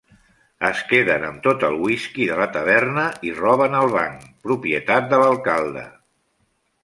Es queden amb tot el whisky de la taverna, roben el banc, propietat de l'alcalde.